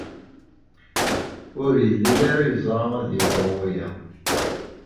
Ur yelli ara yeẓra ad yeḍru waya.